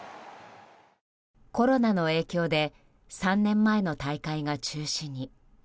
コロナの影響で３年前の大会が中止に。